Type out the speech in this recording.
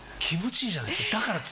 気持ちいいじゃないですか。